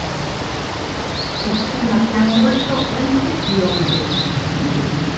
Se estima que han muerto entre y hombres.